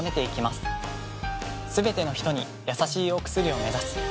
すべてのひとにやさしいお薬を目指す。